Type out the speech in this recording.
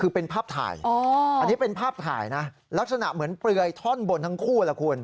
คือเป็นภาพถ่ายอันนี้เป็นภาพถ่ายนะลักษณะเหมือนเปลือยท่อนบนทั้งคู่ล่ะคุณ